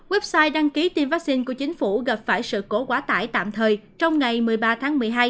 website đăng ký tiêm vaccine của chính phủ gặp phải sự cố quá tải tạm thời trong ngày một mươi ba tháng một mươi hai